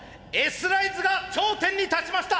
ライズが頂点に立ちました！